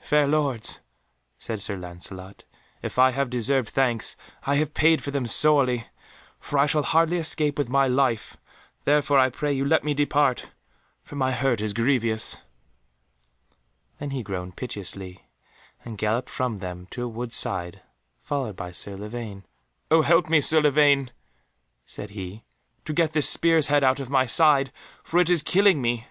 "Fair Lords," said Sir Lancelot, "if I have deserved thanks, I have paid for them sorely, for I shall hardly escape with my life, therefore I pray you let me depart, for my hurt is grievous." Then he groaned piteously, and galloped from them to a wood's side, followed by Sir Lavaine. "Oh help me, Sir Lavaine," said he, "to get this spear's head out of my side, for it is killing me."